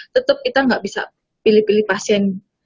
tetep kita gak bisa pilih pilih pasien